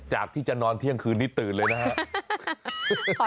จากที่จะนอนเที่ยงคืนนี้ตื่นเลยนะครับ